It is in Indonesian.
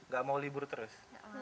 gak mau libur terus